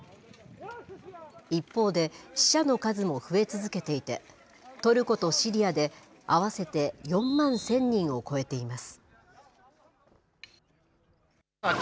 一方で、死者の数も増え続けていて、トルコとシリアで合わせて４万１０００人を超えています。